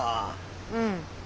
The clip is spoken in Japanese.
うん。